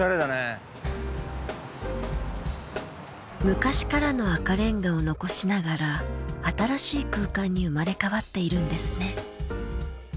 昔からの赤レンガを残しながら新しい空間に生まれ変わっているんですね。